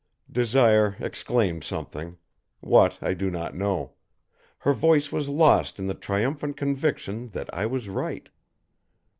Desire exclaimed something. What, I do not know. Her voice was lost in the triumphant conviction that I was right.